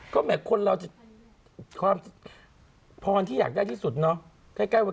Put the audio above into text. ก็แหมคนเราจะความพรที่อยากได้ที่สุดเนาะ